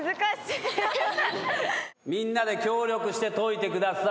みんなで協力して解いてください。